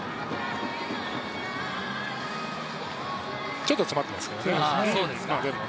ちょっと詰まってますね。